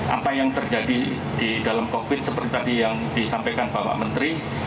apa yang terjadi di dalam kokpit seperti tadi yang disampaikan bapak menteri